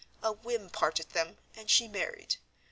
A whim parted them, and she married.